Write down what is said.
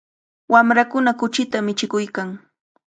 Wamrakuna kuchita michikuykan.